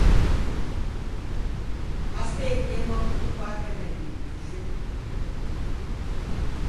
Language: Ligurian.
Aspëtemmo ancon quarche menuto, sciù.